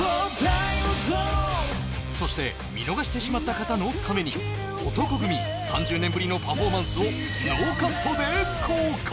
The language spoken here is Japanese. そして見逃してしまった方のために、男闘呼組３０年ぶりのパフォーマンスをノーカットで公開！